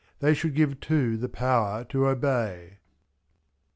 They should give too the power to obey.